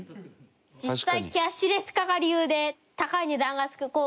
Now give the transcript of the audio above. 実際キャッシュレス化が理由で高い値段がつく硬貨ありましたよね